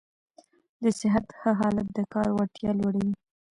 د صحت ښه حالت د کار وړتیا لوړوي.